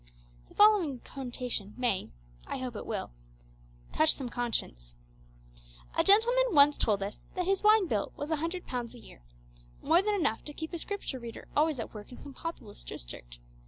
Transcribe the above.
The following quotation may (I hope it will), touch some conscience: 'A gentleman once told us that his wine bill was £100 a year more than enough to keep a Scripture reader always at work in some populous district.